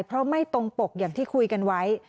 เพราะไม่ตรงปกอย่างที่คุยกันไว้